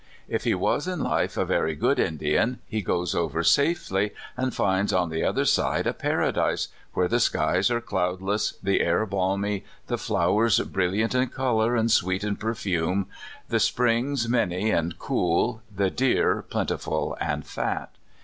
If he was in life a very good Indian, he goes over safely, and finds on the other side a paradise, where the skies are cloudless, the air balmy, the flowers brilliant in color and sweet in perfume, the springs many and cool, the deer plentiful and fat.